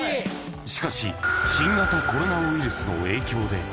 しかし、新型コロナウイルスの影響で。